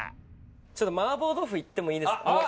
麻婆豆腐いってもいいですか？